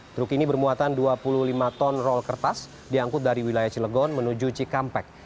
truk ini bermuatan dua puluh lima ton roll kertas diangkut dari wilayah cilegon menuju cikampek